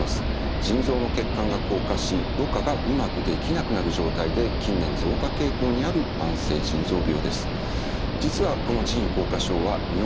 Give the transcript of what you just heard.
腎臓の血管が硬化しろ過がうまくできなくなる状態で近年増加傾向にある慢性腎臓病です。